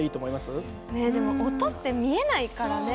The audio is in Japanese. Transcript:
でも音って見えないからね。